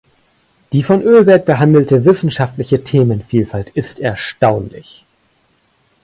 Die von Ölberg behandelte wissenschaftliche Themenvielfalt ist erstaunlich.